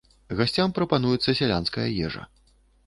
Гасцям прапануецца сялянская ежа.